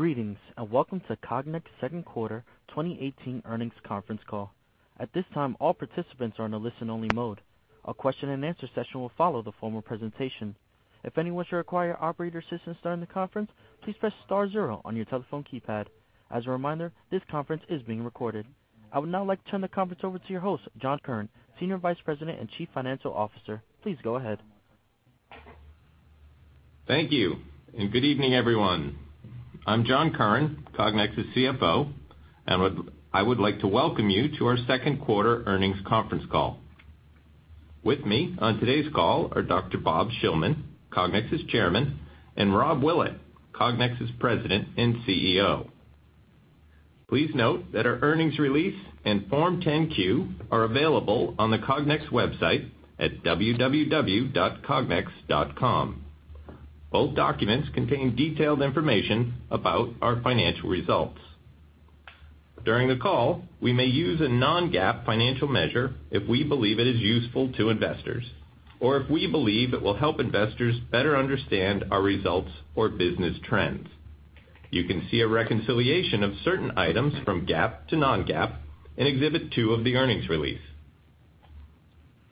Greetings. Welcome to Cognex second quarter 2018 earnings conference call. At this time, all participants are in a listen-only mode. A question and answer session will follow the formal presentation. If anyone should require operator assistance during the conference, please press star zero on your telephone keypad. As a reminder, this conference is being recorded. I would now like to turn the conference over to your host, John Curran, Senior Vice President and Chief Financial Officer. Please go ahead. Thank you. Good evening, everyone. I'm John Curran, Cognex's CFO. I would like to welcome you to our second quarter earnings conference call. With me on today's call are Dr. Bob Shillman, Cognex's Chairman, and Rob Willett, Cognex's President and CEO. Please note that our earnings release and Form 10-Q are available on the Cognex website at www.cognex.com. Both documents contain detailed information about our financial results. During the call, we may use a non-GAAP financial measure if we believe it is useful to investors or if we believe it will help investors better understand our results or business trends. You can see a reconciliation of certain items from GAAP to non-GAAP in Exhibit 2 of the earnings release.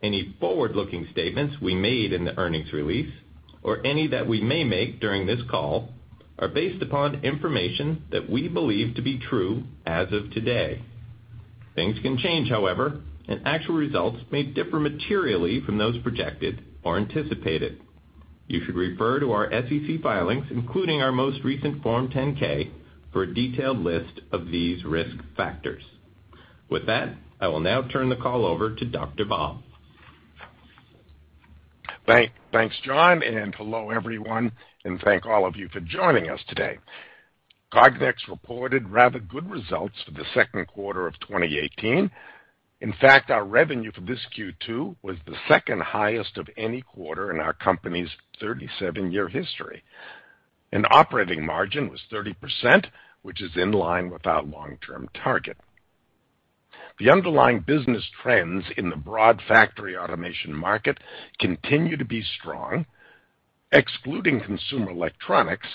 Any forward-looking statements we made in the earnings release or any that we may make during this call are based upon information that we believe to be true as of today. Things can change, however. Actual results may differ materially from those projected or anticipated. You should refer to our SEC filings, including our most recent Form 10-K, for a detailed list of these risk factors. With that, I will now turn the call over to Dr. Bob. Thanks, John. Hello, everyone. Thank all of you for joining us today. Cognex reported rather good results for the second quarter of 2018. In fact, our revenue for this Q2 was the second highest of any quarter in our company's 37-year history. Operating margin was 30%, which is in line with our long-term target. The underlying business trends in the broad factory automation market continue to be strong. Excluding consumer electronics,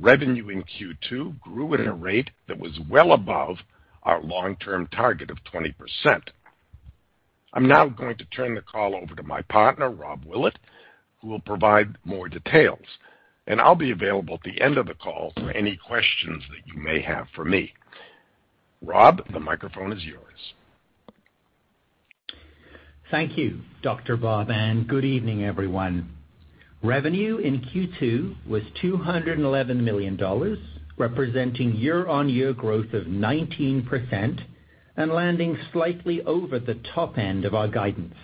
revenue in Q2 grew at a rate that was well above our long-term target of 20%. I'm now going to turn the call over to my partner, Robert Willett, who will provide more details. I'll be available at the end of the call for any questions that you may have for me. Rob, the microphone is yours. Thank you, Dr. Bob, and good evening, everyone. Revenue in Q2 was $211 million, representing year-over-year growth of 19% and landing slightly over the top end of our guidance.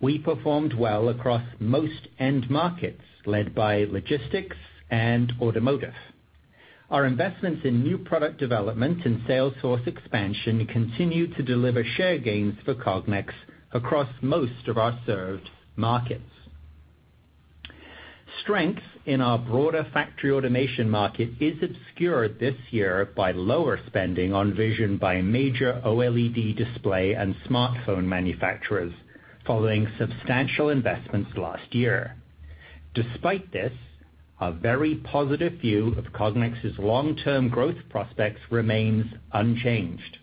We performed well across most end markets, led by logistics and automotive. Our investments in new product development and sales force expansion continue to deliver share gains for Cognex across most of our served markets. Strength in our broader factory automation market is obscured this year by lower spending on vision by major OLED display and smartphone manufacturers following substantial investments last year. Our very positive view of Cognex's long-term growth prospects remains unchanged.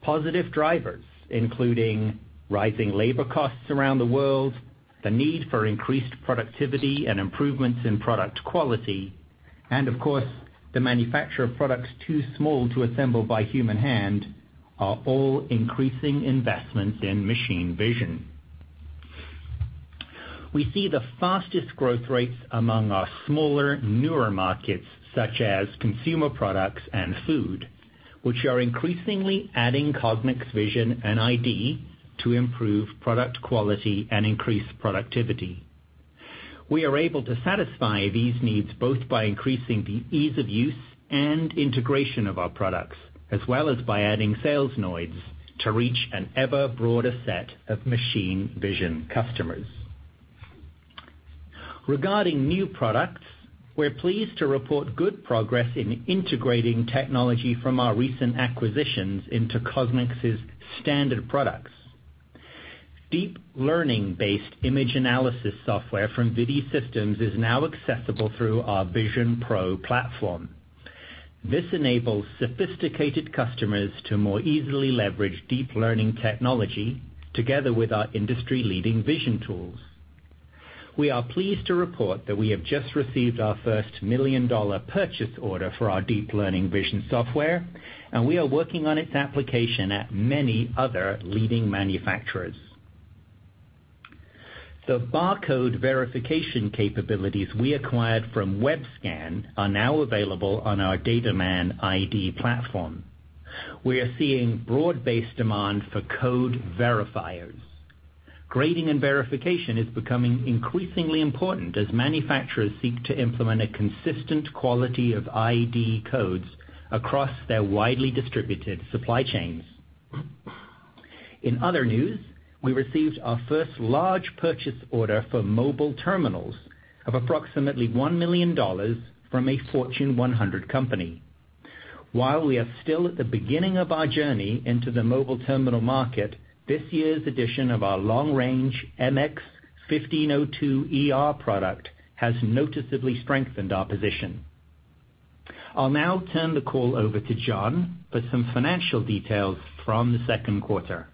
Positive drivers, including rising labor costs around the world, the need for increased productivity and improvements in product quality, and of course, the manufacture of products too small to assemble by human hand, are all increasing investments in machine vision. We see the fastest growth rates among our smaller, newer markets, such as consumer products and food, which are increasingly adding Cognex vision and ID to improve product quality and increase productivity. We are able to satisfy these needs both by increasing the ease of use and integration of our products, as well as by adding Salesnoids to reach an ever broader set of machine vision customers. Regarding new products, we're pleased to report good progress in integrating technology from our recent acquisitions into Cognex's standard products. Deep learning-based image analysis software from ViDi Systems is now accessible through our VisionPro platform. This enables sophisticated customers to more easily leverage deep learning technology together with our industry-leading vision tools. We are pleased to report that we have just received our first $1 million purchase order for our deep learning vision software, and we are working on its application at many other leading manufacturers. The barcode verification capabilities we acquired from Webscan are now available on our DataMan ID platform. We are seeing broad-based demand for code verifiers. Grading and verification is becoming increasingly important as manufacturers seek to implement a consistent quality of ID codes across their widely distributed supply chains. In other news, we received our first large purchase order for mobile terminals of approximately $1 million from a Fortune 100 company. While we are still at the beginning of our journey into the mobile terminal market, this year's edition of our long range MX1502ER product has noticeably strengthened our position. I'll now turn the call over to John for some financial details from the second quarter.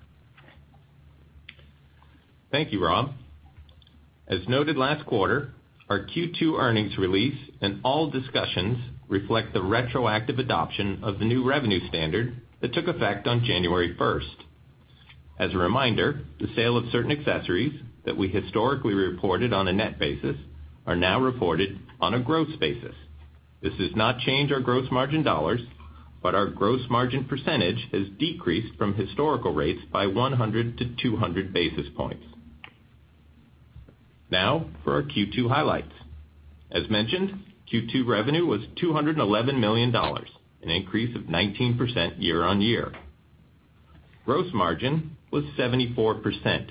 Thank you, Rob. As noted last quarter, our Q2 earnings release and all discussions reflect the retroactive adoption of the new revenue standard that took effect on January 1st. As a reminder, the sale of certain accessories that we historically reported on a net basis are now reported on a gross basis. This does not change our gross margin dollars, but our gross margin percentage has decreased from historical rates by 100-200 basis points. For our Q2 highlights. As mentioned, Q2 revenue was $211 million, an increase of 19% year-over-year. Gross margin was 74%,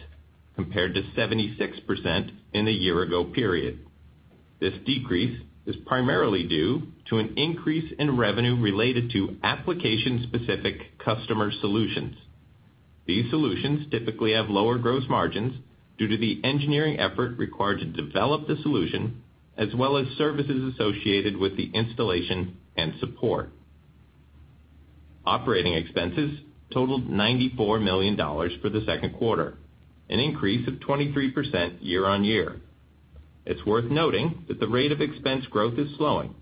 compared to 76% in the year-ago period. This decrease is primarily due to an increase in revenue related to application-specific customer solutions. These solutions typically have lower gross margins due to the engineering effort required to develop the solution, as well as services associated with the installation and support. Operating expenses totaled $94 million for the second quarter, an increase of 23% year-on-year. It's worth noting that the rate of expense growth is slowing,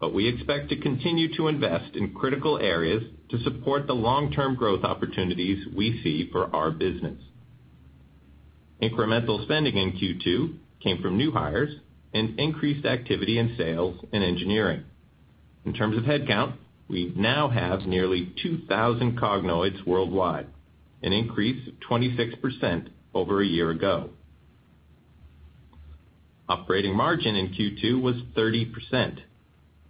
but we expect to continue to invest in critical areas to support the long-term growth opportunities we see for our business. Incremental spending in Q2 came from new hires and increased activity in sales and engineering. In terms of headcount, we now have nearly 2,000 Cognoids worldwide, an increase of 26% over a year ago. Operating margin in Q2 was 30%,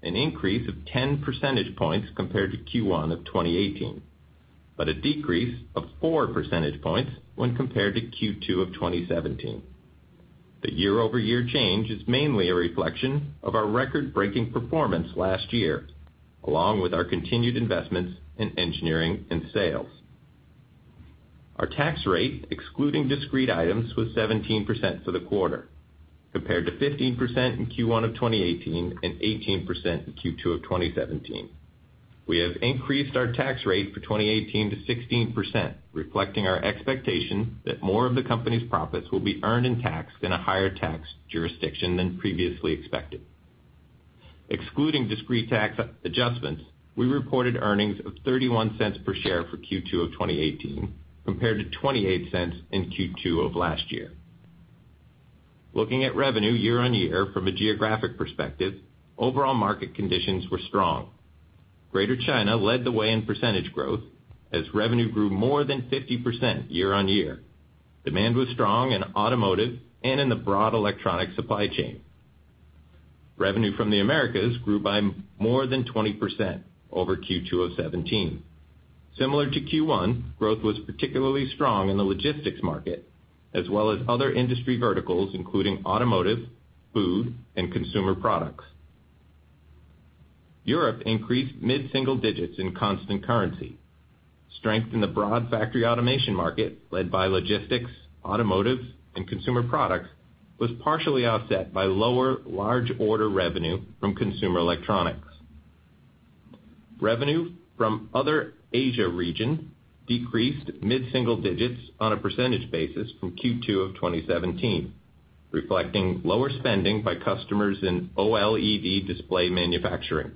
an increase of 10 percentage points compared to Q1 of 2018, but a decrease of four percentage points when compared to Q2 of 2017. The year-over-year change is mainly a reflection of our record-breaking performance last year, along with our continued investments in engineering and sales. Our tax rate, excluding discrete items, was 17% for the quarter, compared to 15% in Q1 of 2018 and 18% in Q2 of 2017. We have increased our tax rate for 2018 to 16%, reflecting our expectation that more of the company's profits will be earned and taxed in a higher tax jurisdiction than previously expected. Excluding discrete tax adjustments, we reported earnings of $0.31 per share for Q2 of 2018, compared to $0.28 in Q2 of last year. Looking at revenue year-on-year from a geographic perspective, overall market conditions were strong. Greater China led the way in percentage growth as revenue grew more than 50% year-on-year. Demand was strong in automotive and in the broad electronic supply chain. Revenue from the Americas grew by more than 20% over Q2 of 2017. Similar to Q1, growth was particularly strong in the logistics market, as well as other industry verticals, including automotive, food, and consumer products. Europe increased mid-single digits in constant currency. Strength in the broad factory automation market, led by logistics, automotive, and consumer products, was partially offset by lower large order revenue from consumer electronics. Revenue from other Asia region decreased mid-single digits on a percentage basis from Q2 of 2017, reflecting lower spending by customers in OLED display manufacturing.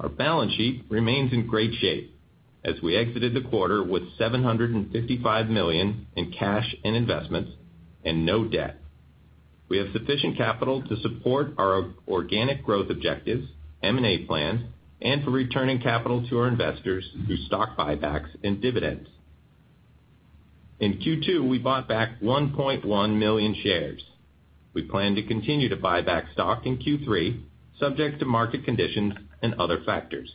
Our balance sheet remains in great shape as we exited the quarter with $755 million in cash and investments and no debt. We have sufficient capital to support our organic growth objectives, M&A plans, and for returning capital to our investors through stock buybacks and dividends. In Q2, we bought back 1.1 million shares. We plan to continue to buy back stock in Q3, subject to market conditions and other factors.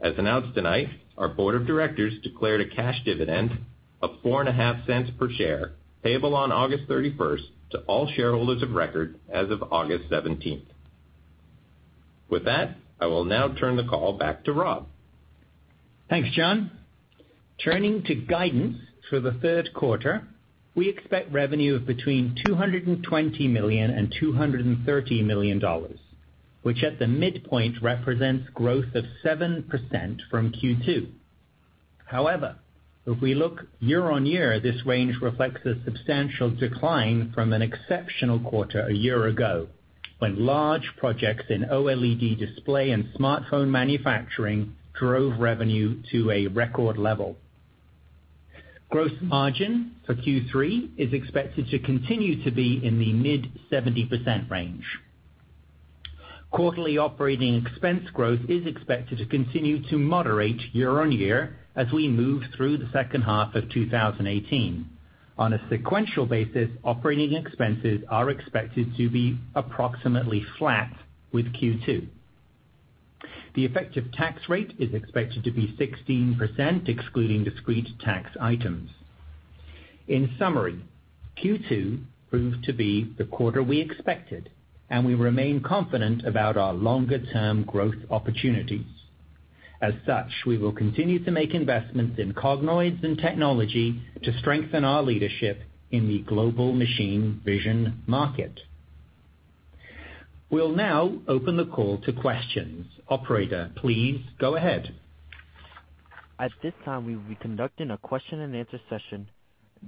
As announced tonight, our board of directors declared a cash dividend of four and a half cents per share, payable on August 31st to all shareholders of record as of August 17th. With that, I will now turn the call back to Rob. Thanks, John. Turning to guidance for the third quarter, we expect revenue of between $220 million and $230 million, which at the midpoint represents growth of 7% from Q2. However, if we look year-on-year, this range reflects a substantial decline from an exceptional quarter a year ago when large projects in OLED display and smartphone manufacturing drove revenue to a record level. Gross margin for Q3 is expected to continue to be in the mid-70% range. Quarterly operating expense growth is expected to continue to moderate year-on-year as we move through the second half of 2018. On a sequential basis, operating expenses are expected to be approximately flat with Q2. The effective tax rate is expected to be 16%, excluding discrete tax items. In summary, Q2 proved to be the quarter we expected, and we remain confident about our longer-term growth opportunities. As such, we will continue to make investments in Cognoids and technology to strengthen our leadership in the global machine vision market. We'll now open the call to questions. Operator, please go ahead. At this time, we will be conducting a question and answer session.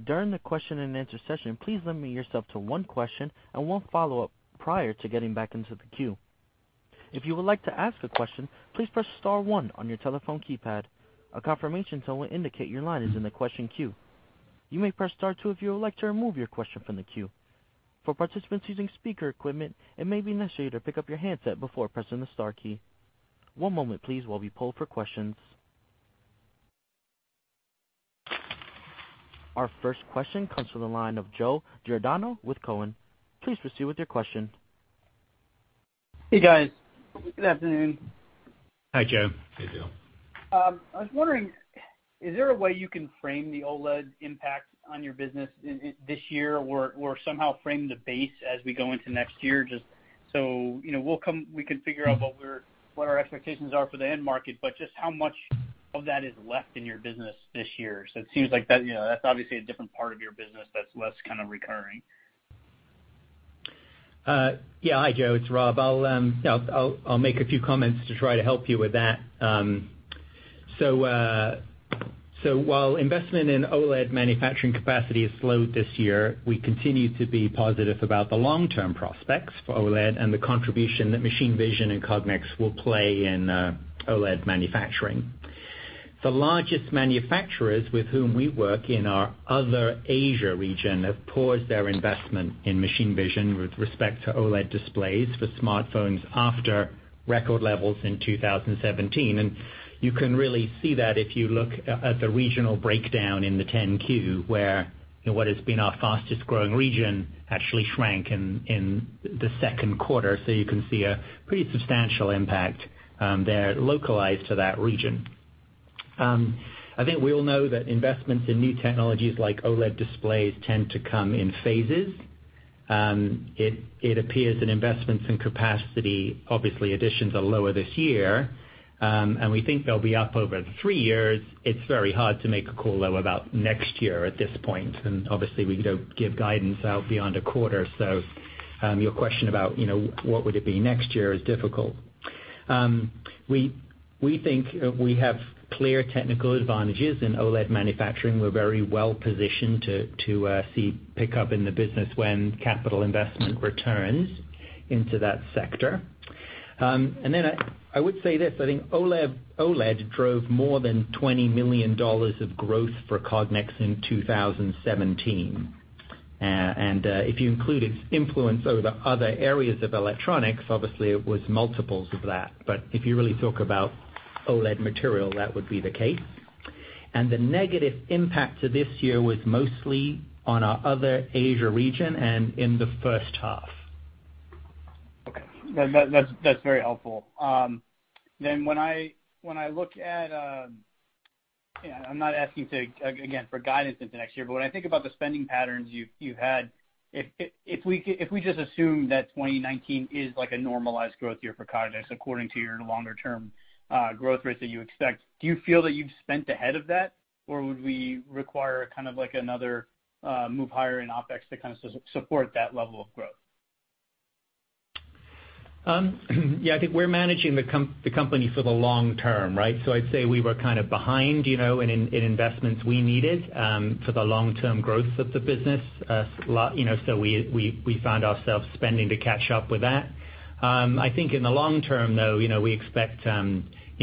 During the question and answer session, please limit yourself to one question and one follow-up prior to getting back into the queue. If you would like to ask a question, please press star one on your telephone keypad. A confirmation tone will indicate your line is in the question queue. You may press star two if you would like to remove your question from the queue. For participants using speaker equipment, it may be necessary to pick up your handset before pressing the star key. One moment please, while we poll for questions. Our first question comes from the line of Joe Giordano with Cowen. Please proceed with your question. Hey, guys. Good afternoon. Hi, Joe. Hey, Joe. I was wondering, is there a way you can frame the OLED impact on your business this year, or somehow frame the base as we go into next year, just so we can figure out what our expectations are for the end market, but just how much of that is left in your business this year? It seems like that's obviously a different part of your business that's less kind of recurring. Yeah. Hi, Joe, it's Rob. I'll make a few comments to try to help you with that. While investment in OLED manufacturing capacity has slowed this year, we continue to be positive about the long-term prospects for OLED and the contribution that machine vision and Cognex will play in OLED manufacturing. The largest manufacturers with whom we work in our other Asia region have paused their investment in machine vision with respect to OLED displays for smartphones after record levels in 2017. You can really see that if you look at the regional breakdown in the 10-Q, where what has been our fastest-growing region actually shrank in the second quarter. You can see a pretty substantial impact there localized to that region. I think we all know that investments in new technologies like OLED displays tend to come in phases. It appears that investments in capacity, obviously additions are lower this year, and we think they'll be up over three years. It's very hard to make a call, though, about next year at this point, and obviously we don't give guidance out beyond a quarter. Your question about what would it be next year is difficult. We think we have clear technical advantages in OLED manufacturing. We're very well positioned to see pickup in the business when capital investment returns into that sector. Then I would say this, I think OLED drove more than $20 million of growth for Cognex in 2017. If you include its influence over other areas of electronics, obviously it was multiples of that. If you really talk about OLED material, that would be the case. The negative impact to this year was mostly on our other Asia region, and in the first half. Okay. That's very helpful. When I look at, I'm not asking, again, for guidance into next year, when I think about the spending patterns you've had, if we just assume that 2019 is like a normalized growth year for Cognex, according to your longer term growth rates that you expect, do you feel that you've spent ahead of that, or would we require kind of like another move higher in OpEx to kind of support that level of growth? Yeah, I think we're managing the company for the long term, right? I'd say we were kind of behind in investments we needed for the long-term growth of the business. We found ourselves spending to catch up with that. I think in the long term, though, we expect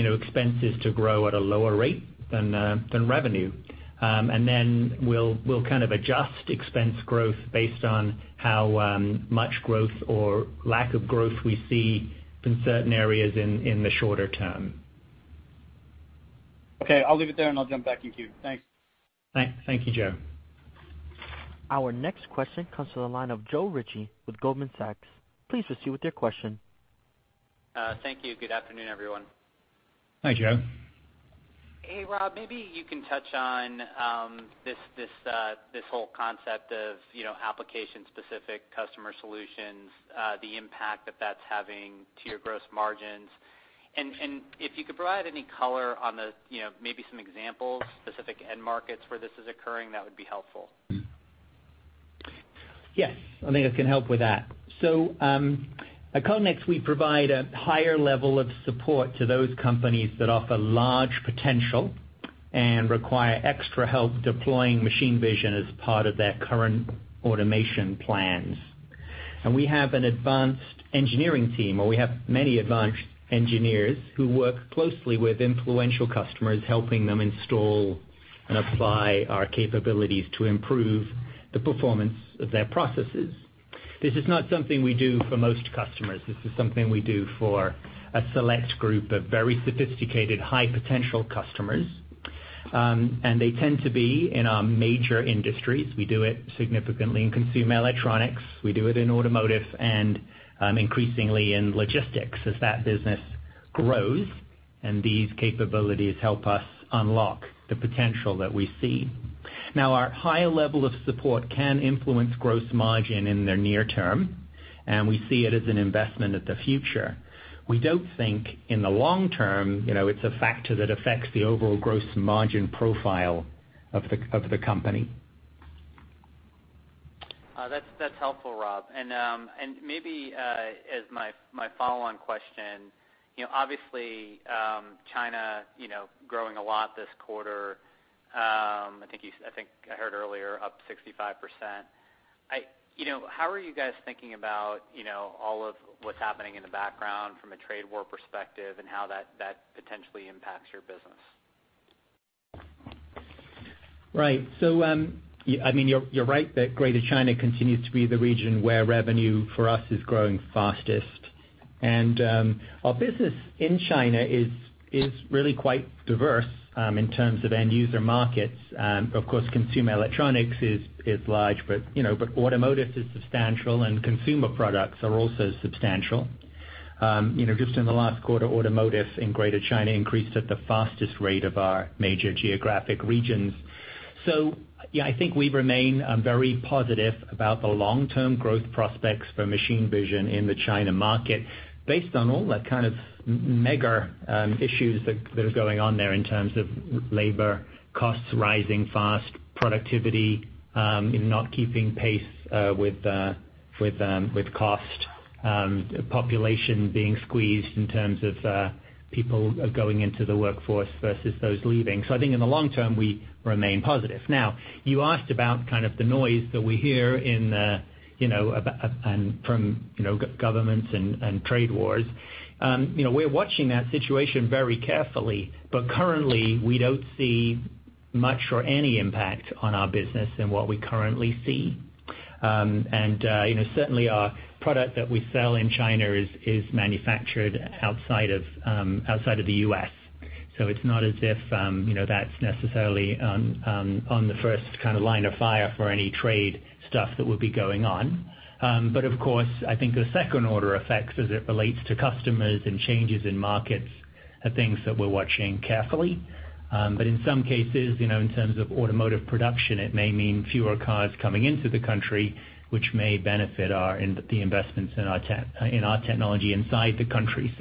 expenses to grow at a lower rate than revenue. We'll kind of adjust expense growth based on how much growth or lack of growth we see in certain areas in the shorter term. Okay. I'll leave it there and I'll jump back in queue. Thanks. Thank you, Joe. Our next question comes to the line of Joe Ritchie with Goldman Sachs. Please proceed with your question. Thank you. Good afternoon, everyone. Hi, Joe. Hey, Rob, maybe you can touch on this whole concept of application specific customer solutions, the impact that that's having to your gross margins. If you could provide any color on maybe some examples, specific end markets where this is occurring, that would be helpful. Yes, I think I can help with that. At Cognex, we provide a higher level of support to those companies that offer large potential and require extra help deploying machine vision as part of their current automation plans. We have an advanced engineering team, or we have many advanced engineers who work closely with influential customers, helping them install and apply our capabilities to improve the performance of their processes. This is not something we do for most customers. This is something we do for a select group of very sophisticated, high potential customers, and they tend to be in our major industries. We do it significantly in consumer electronics. We do it in automotive and increasingly in logistics as that business grows. These capabilities help us unlock the potential that we see. Now, our high level of support can influence gross margin in the near term, and we see it as an investment at the future. We don't think in the long term, it's a factor that affects the overall gross margin profile of the company. That's helpful, Rob. Maybe as my follow-on question, obviously, China growing a lot this quarter. I think I heard earlier, up 65%. How are you guys thinking about all of what's happening in the background from a trade war perspective and how that potentially impacts your business? Right. You're right that Greater China continues to be the region where revenue for us is growing fastest. Our business in China is really quite diverse, in terms of end user markets. Of course, consumer electronics is large, but automotive is substantial, and consumer products are also substantial. Just in the last quarter, automotive in Greater China increased at the fastest rate of our major geographic regions. Yeah, I think we remain very positive about the long-term growth prospects for machine vision in the China market based on all that kind of mega issues that are going on there in terms of labor costs rising fast, productivity not keeping pace with cost, population being squeezed in terms of people going into the workforce versus those leaving. I think in the long term, we remain positive. Now, you asked about kind of the noise that we hear from governments and trade wars. We're watching that situation very carefully, but currently, we don't see much or any impact on our business than what we currently see. Certainly, our product that we sell in China is manufactured outside of the U.S. It's not as if that's necessarily on the first kind of line of fire for any trade stuff that would be going on. Of course, I think the second order effects as it relates to customers and changes in markets are things that we're watching carefully. In some cases, in terms of automotive production, it may mean fewer cars coming into the country, which may benefit the investments in our technology inside the country.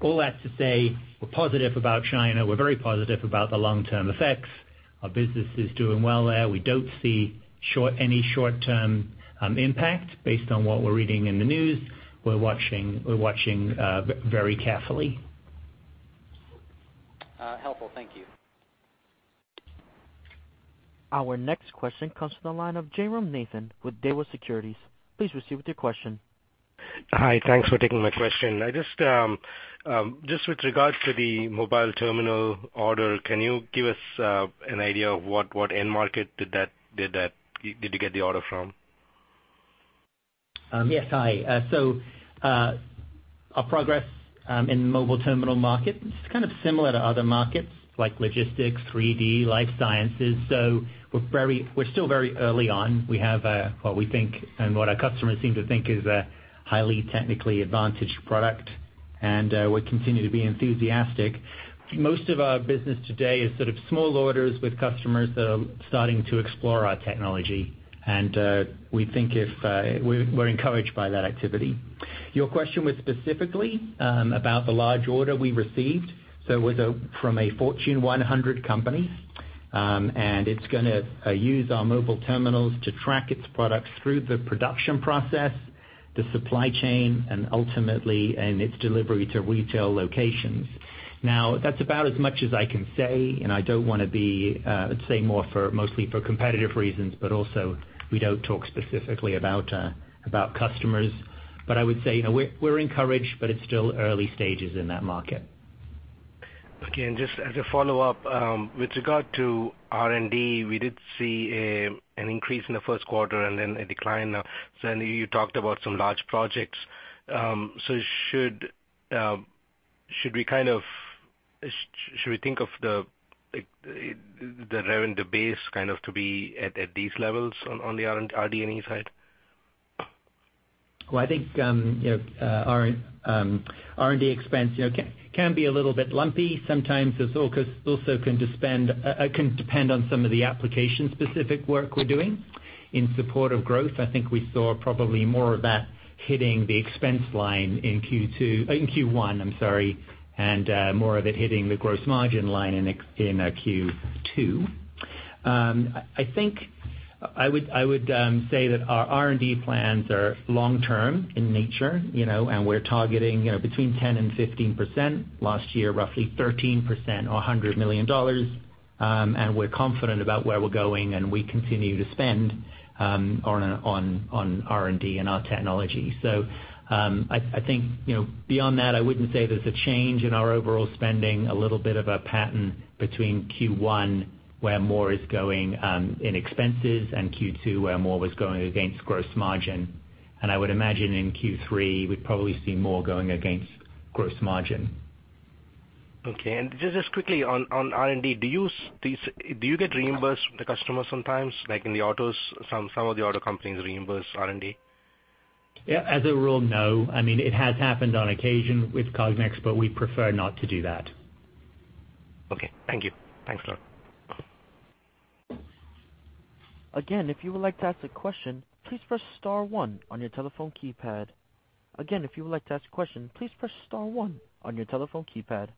All that to say, we're positive about China. We're very positive about the long-term effects. Our business is doing well there. We don't see any short-term impact based on what we're reading in the news. We're watching very carefully. Helpful. Thank you. Our next question comes from the line of Jairam Nathan with Daiwa Securities. Please proceed with your question. Hi. Thanks for taking my question. Just with regards to the mobile terminal order, can you give us an idea of what end market did you get the order from? Yes. Hi. Our progress in mobile terminal markets is kind of similar to other markets like logistics, 3D, life sciences. We're still very early on. We have what we think and what our customers seem to think is a highly technically advantaged product, and we continue to be enthusiastic. Most of our business today is sort of small orders with customers that are starting to explore our technology. We're encouraged by that activity. Your question was specifically about the large order we received. It was from a Fortune 100 company, and it's going to use our mobile terminals to track its products through the production process, the supply chain, and ultimately in its delivery to retail locations. Now, that's about as much as I can say, and I don't want to say more mostly for competitive reasons, but also we don't talk specifically about customers. I would say, we are encouraged, but it is still early stages in that market. Okay. Just as a follow-up, with regard to R&D, we did see an increase in the first quarter and then a decline. I know you talked about some large projects. Should we think of the revenue base to be at these levels on the RD&E side? Well, I think, R&D expense can be a little bit lumpy. Sometimes it also can depend on some of the application-specific work we are doing in support of growth. I think we saw probably more of that hitting the expense line in Q1, and more of it hitting the gross margin line in Q2. I think I would say that our R&D plans are long-term in nature, and we are targeting between 10% and 15%. Last year, roughly 13% or $100 million. We are confident about where we are going, and we continue to spend on R&D and our technology. I think, beyond that, I would not say there is a change in our overall spending. A little bit of a pattern between Q1, where more is going in expenses, and Q2, where more was going against gross margin. I would imagine in Q3, we would probably see more going against gross margin. Okay. Just quickly on R&D, do you get reimbursed from the customer sometimes, like in the autos, some of the auto companies reimburse R&D? Yeah. As a rule, no. It has happened on occasion with Cognex, but we prefer not to do that. Okay. Thank you. Thanks a lot. Again, if you would like to ask a question, please press star one on your telephone keypad. Again, if you would like to ask a question, please press star one on your telephone keypad.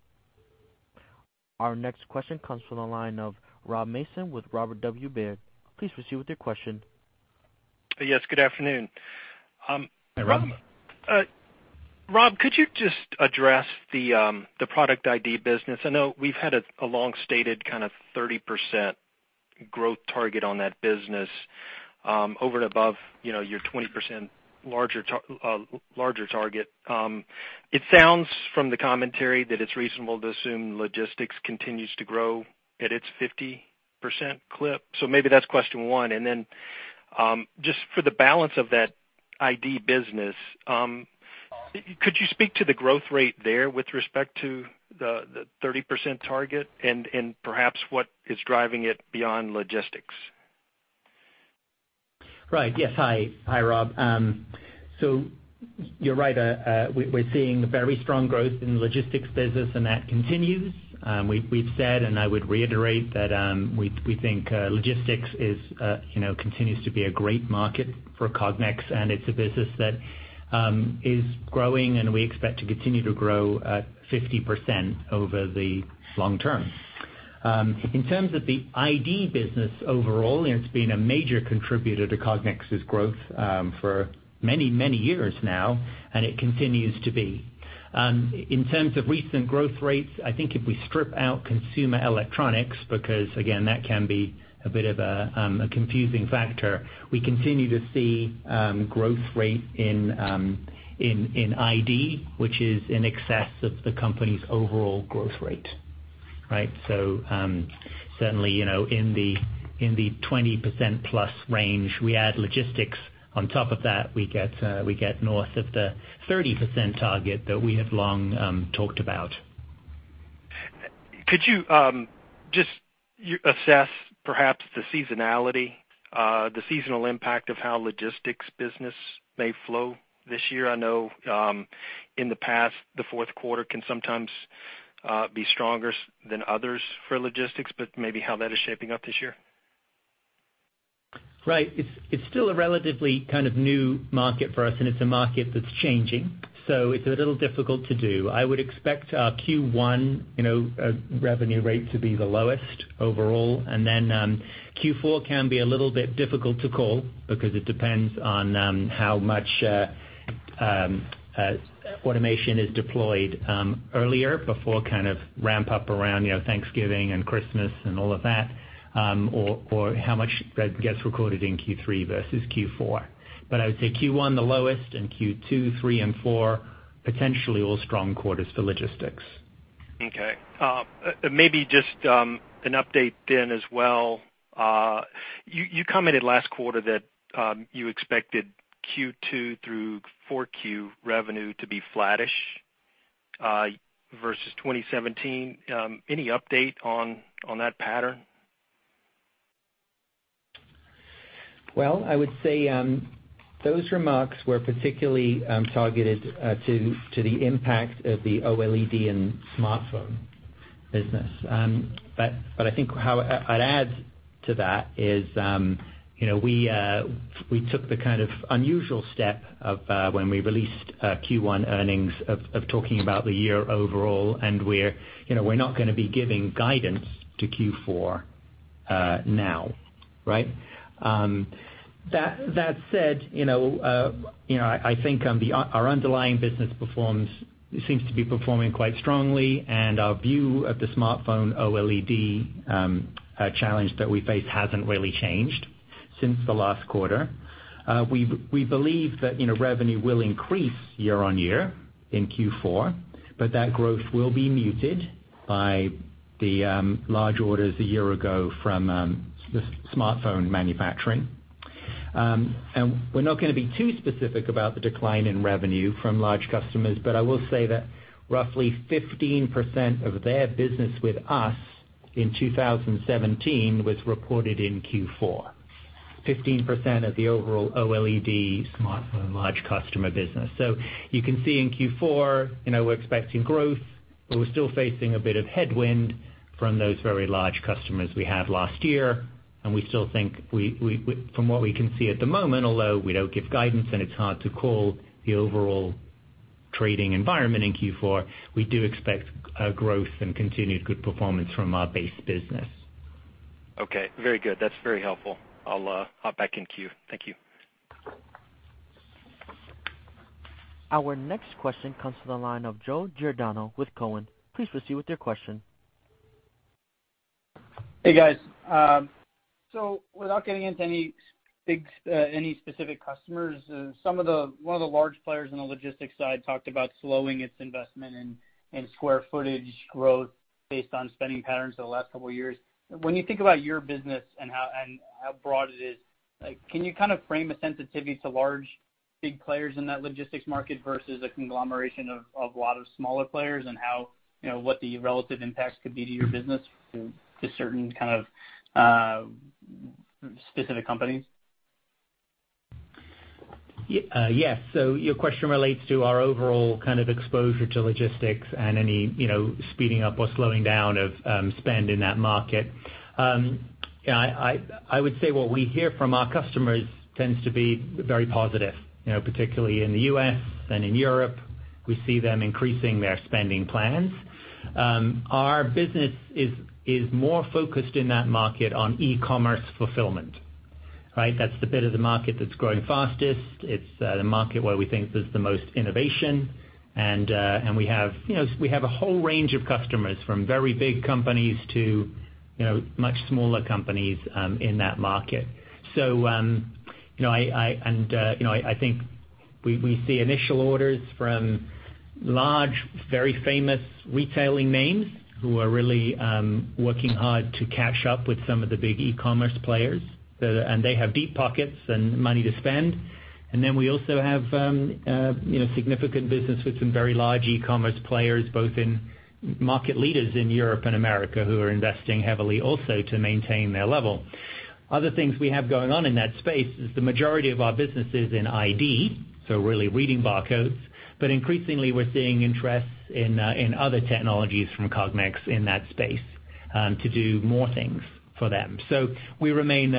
Our next question comes from the line of Robert Mason with Robert W. Baird. Please proceed with your question. Yes, good afternoon. Hi, Rob. Rob, could you just address the product ID business? I know we've had a long-stated kind of 30% growth target on that business, over and above your 20% larger target. It sounds from the commentary that it's reasonable to assume logistics continues to grow at its 50% clip. Maybe that's question one. Then, just for the balance of that ID business, could you speak to the growth rate there with respect to the 30% target and perhaps what is driving it beyond logistics? Right. Yes. Hi, Rob. You're right. We're seeing very strong growth in the logistics business, and that continues. We've said, and I would reiterate, that we think logistics continues to be a great market for Cognex, and it's a business that is growing and we expect to continue to grow at 50% over the long term. In terms of the ID business overall, it's been a major contributor to Cognex's growth for many, many years now, and it continues to be. In terms of recent growth rates, I think if we strip out consumer electronics, because, again, that can be a bit of a confusing factor, we continue to see growth rate in ID, which is in excess of the company's overall growth rate. Certainly, in the 20% plus range. We add logistics on top of that, we get north of the 30% target that we have long talked about. Could you just assess perhaps the seasonality, the seasonal impact of how logistics business may flow this year? I know, in the past, the fourth quarter can sometimes be stronger than others for logistics, but maybe how that is shaping up this year. Right. It's still a relatively kind of new market for us, and it's a market that's changing, so it's a little difficult to do. I would expect our Q1 revenue rate to be the lowest overall. Q4 can be a little bit difficult to call because it depends on how much automation is deployed earlier before kind of ramp up around Thanksgiving and Christmas and all of that, or how much gets recorded in Q3 versus Q4. I would say Q1 the lowest, and Q2, three, and four, potentially all strong quarters for logistics. Okay. Maybe just an update as well. You commented last quarter that you expected Q2 through 4Q revenue to be flattish versus 2017. Any update on that pattern? Well, I would say those remarks were particularly targeted to the impact of the OLED and smartphone business. I think how I'd add to that is, we took the kind of unusual step of when we released Q1 earnings of talking about the year overall, we're not going to be giving guidance to Q4 now. That said, I think our underlying business seems to be performing quite strongly, our view of the smartphone OLED challenge that we face hasn't really changed since the last quarter. We believe that revenue will increase year-on-year in Q4, that growth will be muted by the large orders a year ago from the smartphone manufacturing. We're not going to be too specific about the decline in revenue from large customers, but I will say that roughly 15% of their business with us in 2017 was reported in Q4, 15% of the overall OLED smartphone large customer business. You can see in Q4, we're expecting growth, but we're still facing a bit of headwind from those very large customers we had last year. We still think from what we can see at the moment, although we don't give guidance and it's hard to call the overall trading environment in Q4, we do expect growth and continued good performance from our base business. Okay. Very good. That's very helpful. I'll hop back in queue. Thank you. Our next question comes to the line of Joe Giordano with Cowen. Please proceed with your question. Hey, guys. Without getting into any specific customers, one of the large players in the logistics side talked about slowing its investment in square footage growth based on spending patterns over the last couple of years. Can you kind of frame a sensitivity to large, big players in that logistics market versus a conglomeration of a lot of smaller players and what the relative impacts could be to your business to certain kind of specific companies? Yes. Your question relates to our overall kind of exposure to logistics and any speeding up or slowing down of spend in that market. I would say what we hear from our customers tends to be very positive, particularly in the U.S. and in Europe, we see them increasing their spending plans. Our business is more focused in that market on e-commerce fulfillment. That's the bit of the market that's growing fastest. It's the market where we think there's the most innovation. We have a whole range of customers, from very big companies to much smaller companies in that market. I think we see initial orders from large, very famous retailing names who are really working hard to catch up with some of the big e-commerce players. They have deep pockets and money to spend. We also have significant business with some very large e-commerce players, both in market leaders in Europe and America who are investing heavily also to maintain their level. Other things we have going on in that space is the majority of our businesses in ID, really reading barcodes. Increasingly we're seeing interests in other technologies from Cognex in that space to do more things for them. We remain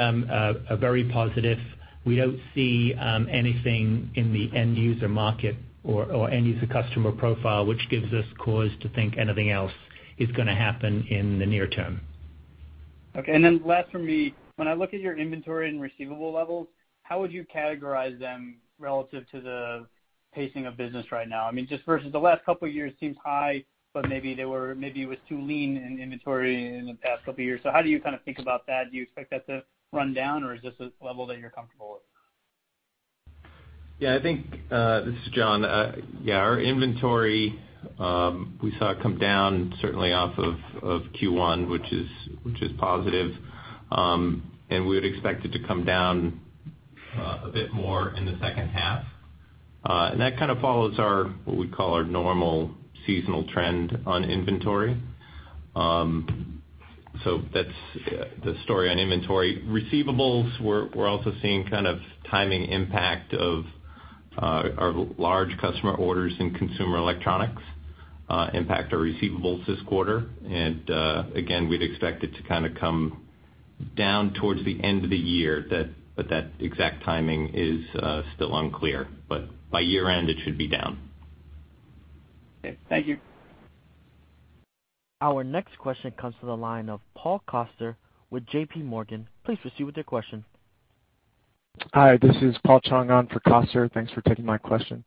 very positive. We don't see anything in the end user market or end user customer profile, which gives us cause to think anything else is going to happen in the near term. Last from me, when I look at your inventory and receivable levels, how would you categorize them relative to the pacing of business right now? I mean, just versus the last couple of years seems high, but maybe it was too lean in inventory in the past couple of years. How do you kind of think about that? Do you expect that to run down or is this a level that you're comfortable with? Yeah, I think, this is John. Our inventory, we saw it come down certainly off of Q1, which is positive. We would expect it to come down a bit more in the second half. That kind of follows our, what we call our normal seasonal trend on inventory. That's the story on inventory. Receivables, we're also seeing kind of timing impact of our large customer orders in consumer electronics impact our receivables this quarter. Again, we'd expect it to kind of come down towards the end of the year, but that exact timing is still unclear. By year-end, it should be down. Okay. Thank you. Our next question comes to the line of Paul Coster with J.P. Morgan. Please proceed with your question. Hi, this is Paul Chung on for Coster. Thanks for taking my question.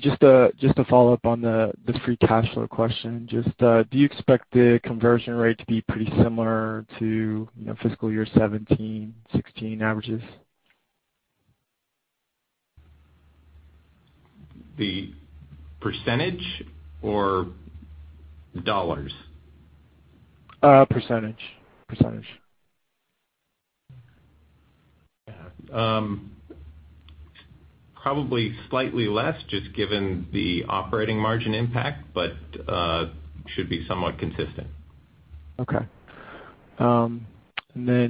Just to follow up on the free cash flow question, just do you expect the conversion rate to be pretty similar to fiscal year 2017, 2016 averages? The percentage or dollars? Percentage. Yeah. Probably slightly less just given the operating margin impact, but should be somewhat consistent. Okay.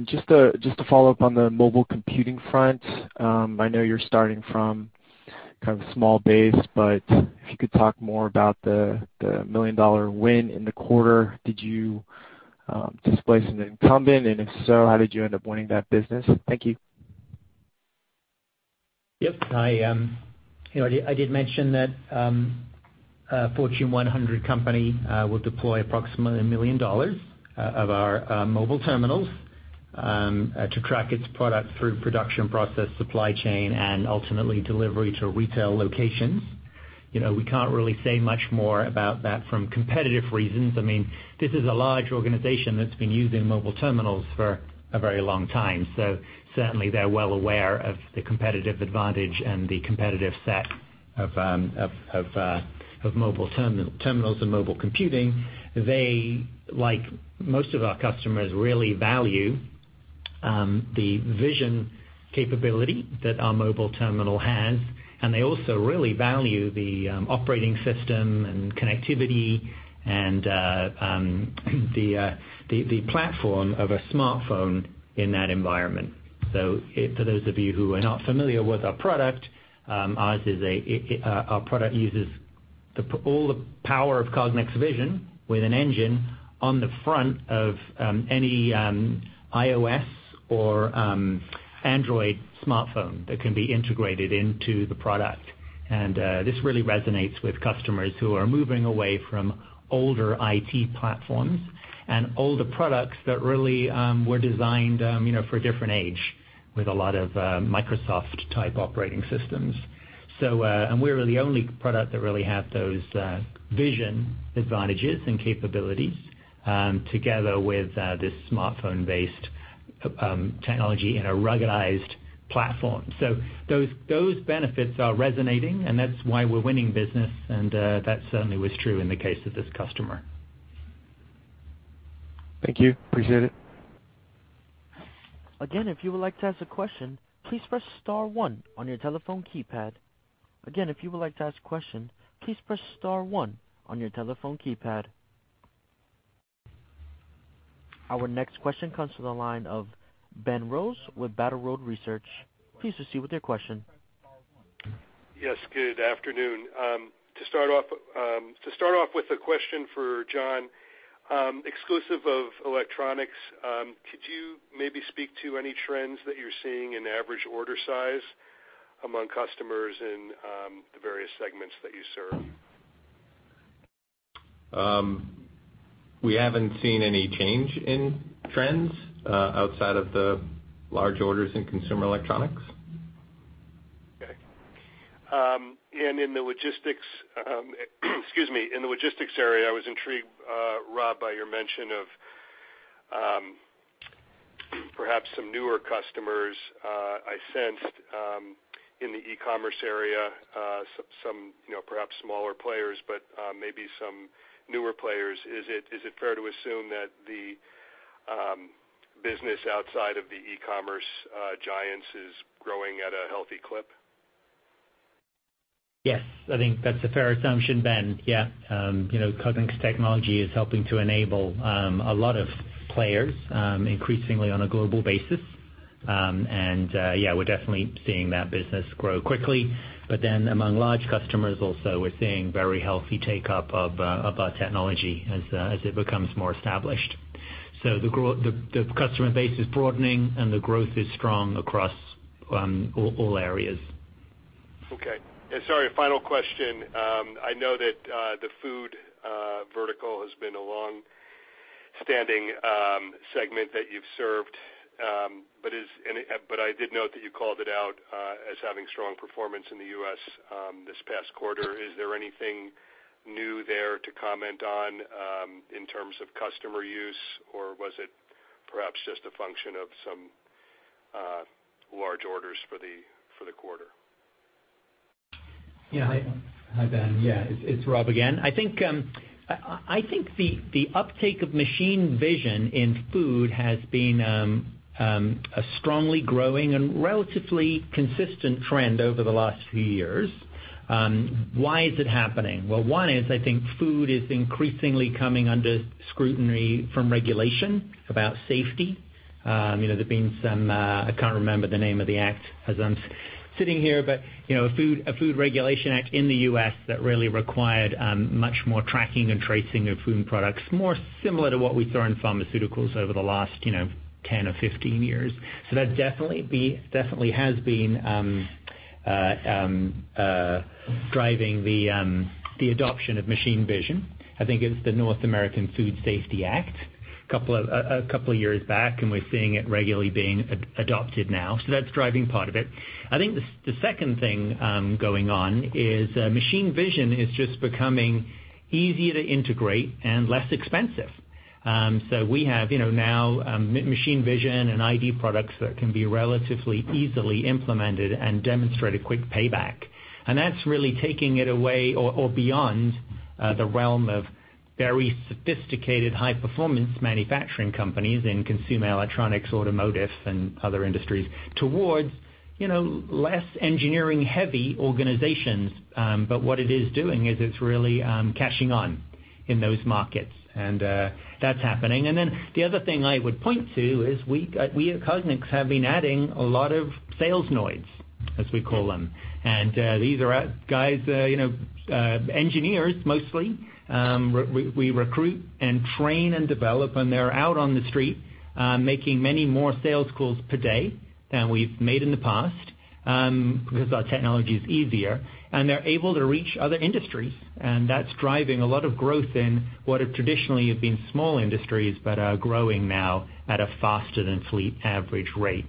Just to follow up on the mobile computing front, I know you're starting from kind of a small base, but if you could talk more about the $1 million win in the quarter, did you displace an incumbent? If so, how did you end up winning that business? Thank you. Yep. I did mention that a Fortune 100 company will deploy approximately $1 million of our mobile terminals to track its product through production process, supply chain, and ultimately delivery to retail locations. We can't really say much more about that from competitive reasons. I mean, this is a large organization that's been using mobile terminals for a very long time. Certainly they're well aware of the competitive advantage and the competitive set of mobile terminals and mobile computing. They, like most of our customers, really value the vision capability that our mobile terminal has, and they also really value the operating system and connectivity and the platform of a smartphone in that environment. For those of you who are not familiar with our product, our product uses all the power of Cognex vision with an engine on the front of any iOS or Android smartphone that can be integrated into the product. This really resonates with customers who are moving away from older IT platforms and older products that really were designed for a different age with a lot of Microsoft-type operating systems. We're the only product that really had those vision advantages and capabilities together with this smartphone-based technology in a ruggedized platform. Those benefits are resonating, and that's why we're winning business, and that certainly was true in the case of this customer. Thank you. Appreciate it. Again, if you would like to ask a question, please press star one on your telephone keypad. Again, if you would like to ask a question, please press star one on your telephone keypad. Our next question comes to the line of Ben Rose with Battle Road Research. Please proceed with your question. Yes, good afternoon. To start off with a question for John, exclusive of electronics, could you maybe speak to any trends that you're seeing in average order size among customers in the various segments that you serve? We haven't seen any change in trends, outside of the large orders in consumer electronics. Okay. In the logistics area, I was intrigued, Rob, by your mention of perhaps some newer customers. I sensed, in the e-commerce area, some perhaps smaller players, but maybe some newer players. Is it fair to assume that the business outside of the e-commerce giants is growing at a healthy clip? Yes. I think that's a fair assumption, Ben. Cognex technology is helping to enable a lot of players, increasingly on a global basis. We're definitely seeing that business grow quickly. Among large customers also, we're seeing very healthy take-up of our technology as it becomes more established. The customer base is broadening, and the growth is strong across all areas. Okay. Sorry, final question. I know that the food vertical has been a longstanding segment that you've served. I did note that you called it out as having strong performance in the U.S. this past quarter. Is there anything new there to comment on, in terms of customer use, or was it perhaps just a function of some large orders for the quarter? Hi, Ben. It's Rob again. I think the uptake of machine vision in food has been a strongly growing and relatively consistent trend over the last few years. Why is it happening? One is I think food is increasingly coming under scrutiny from regulation about safety. There's been some, I can't remember the name of the act as I'm sitting here, but a food regulation act in the U.S. that really required much more tracking and tracing of food and products, more similar to what we saw in pharmaceuticals over the last 10 or 15 years. That definitely has been driving the adoption of machine vision. I think it's the North American Food Safety Act a couple of years back, and we're seeing it regularly being adopted now. That's driving part of it. I think the second thing going on is machine vision is just becoming easier to integrate and less expensive. We have now machine vision and ID products that can be relatively easily implemented and demonstrate a quick payback. That's really taking it away or beyond the realm of very sophisticated high-performance manufacturing companies in consumer electronics, automotive, and other industries towards less engineering-heavy organizations. What it is doing is it's really cashing on in those markets, and that's happening. The other thing I would point to is we at Cognex have been adding a lot of Salesnoids, as we call them. These are guys, engineers mostly, we recruit and train and develop, and they're out on the street, making many more sales calls per day than we've made in the past, because our technology is easier, and they're able to reach other industries. That's driving a lot of growth in what have traditionally been small industries, but are growing now at a faster than fleet average rate.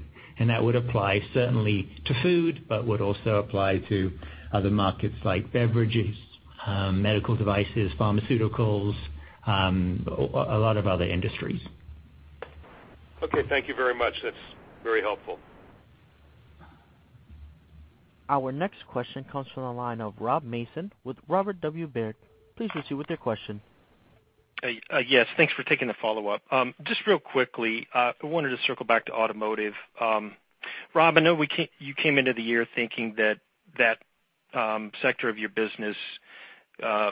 That would apply certainly to food, but would also apply to other markets like beverages, medical devices, pharmaceuticals, a lot of other industries. Okay. Thank you very much. That's very helpful. Our next question comes from the line of Robert Mason with Robert W. Baird. Please proceed with your question. Yes. Thanks for taking the follow-up. Just real quickly, I wanted to circle back to automotive. Rob, I know you came into the year thinking that that sector of your business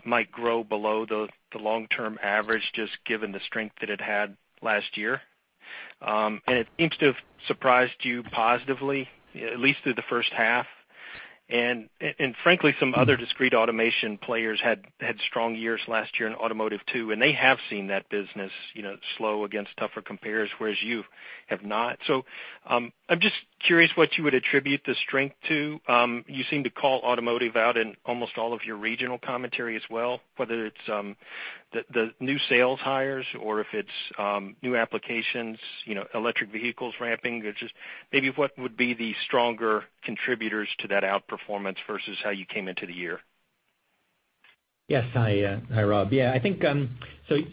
might grow below the long-term average just given the strength that it had last year. It seems to have surprised you positively, at least through the first half. Frankly, some other discrete automation players had strong years last year in automotive too, and they have seen that business slow against tougher compares, whereas you have not. I'm just curious what you would attribute the strength to. You seem to call automotive out in almost all of your regional commentary as well, whether it's the new sales hires or if it's new applications, electric vehicles ramping, or just maybe what would be the stronger contributors to that outperformance versus how you came into the year? Yes. Hi, Rob. Yeah, I think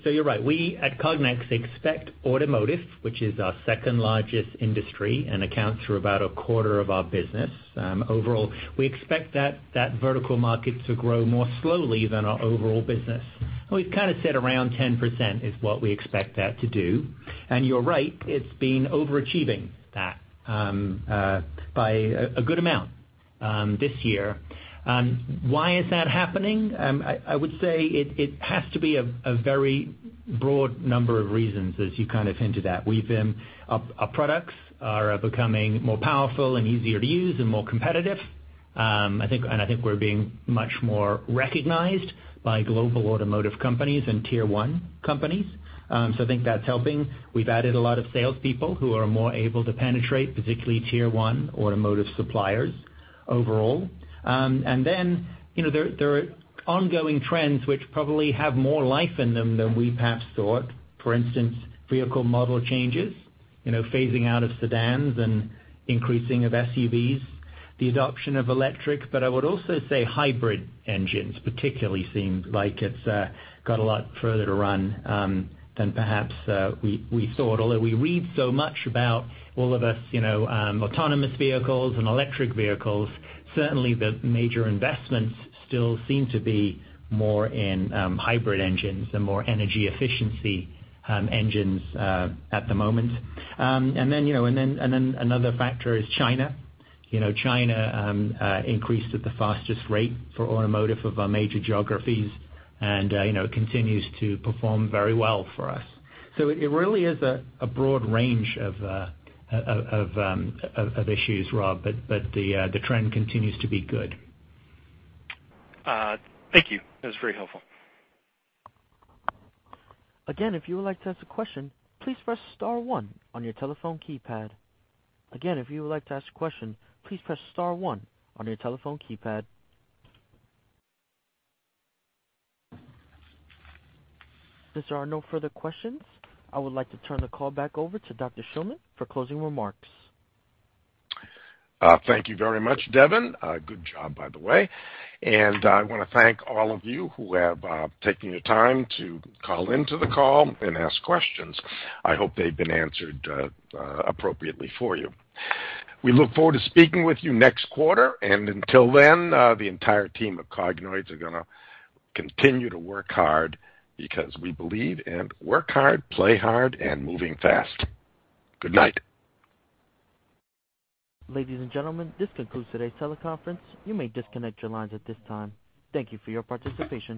you're right. We at Cognex expect automotive, which is our second largest industry and accounts for about a quarter of our business. Overall, we expect that vertical market to grow more slowly than our overall business. We've kind of said around 10% is what we expect that to do. You're right, it's been overachieving that by a good amount. This year. Why is that happening? I would say it has to be a very broad number of reasons, as you kind of hinted at. Our products are becoming more powerful and easier to use and more competitive. I think we're being much more recognized by global automotive companies and Tier 1 companies. I think that's helping. We've added a lot of salespeople who are more able to penetrate, particularly Tier 1 automotive suppliers overall. There are ongoing trends which probably have more life in them than we perhaps thought. For instance, vehicle model changes, phasing out of sedans and increasing of SUVs, the adoption of electric, but I would also say hybrid engines particularly seem like it's got a lot further to run than perhaps we thought. Although we read so much about all of us, autonomous vehicles and electric vehicles, certainly the major investments still seem to be more in hybrid engines and more energy efficiency engines at the moment. Another factor is China. China increased at the fastest rate for automotive of our major geographies and continues to perform very well for us. It really is a broad range of issues, Rob, but the trend continues to be good. Thank you. That was very helpful. Again, if you would like to ask a question, please press star one on your telephone keypad. Again, if you would like to ask a question, please press star one on your telephone keypad. As there are no further questions, I would like to turn the call back over to Dr. Shillman for closing remarks. Thank you very much, Devin. Good job by the way. I want to thank all of you who have taken the time to call into the call and ask questions. I hope they've been answered appropriately for you. We look forward to speaking with you next quarter. Until then, the entire team of Cognoids are going to continue to work hard because we believe in work hard, play hard, and moving fast. Good night. Ladies and gentlemen, this concludes today's teleconference. You may disconnect your lines at this time. Thank you for your participation.